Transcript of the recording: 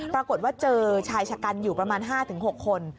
ปรากฏว่าเจอชายชะกันอยู่ประมาณ๕๖คน